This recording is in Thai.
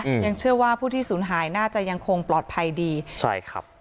อืมยังเชื่อว่าผู้ที่สูญหายน่าจะยังคงปลอดภัยดีใช่ครับ